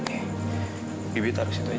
ibi taruh di situ aja